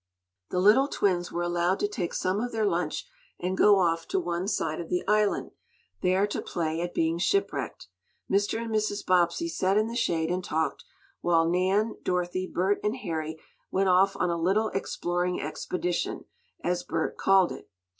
The little twins were allowed to take some of their lunch, and go off to one side of the island, there to play at being shipwrecked. Mr. and Mrs. Bobbsey sat in the shade and talked, while Nan, Dorothy, Bert and Harry went off on a little "exploring expedition," as Bert called it.